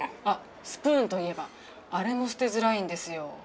あっスプーンといえばあれも捨てづらいんですよ。